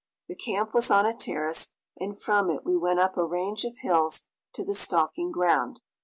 The camp was on a terrace, and from it we went up a range of hills to the stalking ground.